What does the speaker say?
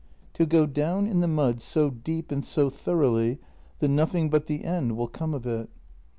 To go dov r n in the mud so deep and so thoroughly that nothing but the end will come of it.